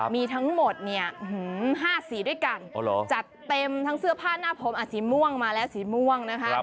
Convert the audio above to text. มีทั้งหมด๕สีด้วยกันจัดเต็มทั้งเสื้อผ้าหน้าผมสีม่วงมาแล้วสีม่วงนะคะ